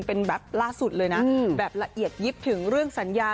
เป็นแบบล่าสุดเลยนะแบบละเอียดยิบถึงเรื่องสัญญา